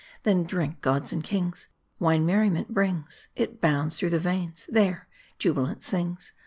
Then drink, gods and kings ; wine merriment brings ; It bounds through the veins ; there, jubilant sings.